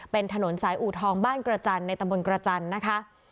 เป็นถนนสายอูทองบ้านกระจันทร์ในตำบลกระจันทร์นะคะ